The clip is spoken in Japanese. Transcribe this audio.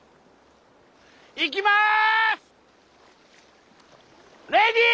いきます！